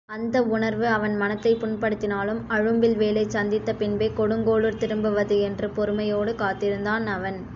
அந்த உணர்வு அவன் மனத்தைப் புண்படுத்தினாலும் அழும்பில்வேளைச் சந்தித்த பின்பே கொடுங்கோளுர் திரும்புவது என்று பொறுமையோடு காத்திருந்தான் அவன்.